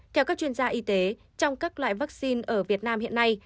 theo các chuyên gia y tế trong các loại vaccine ở việt nam hiện nay